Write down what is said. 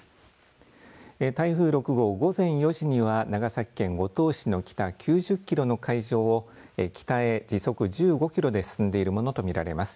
台風６号、午前４時には長崎県五島市の北９０キロの海上を北へ時速１５キロで進んでいるものと見られます。